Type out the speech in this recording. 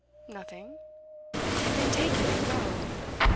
'Nothing.' 'Then take it and go.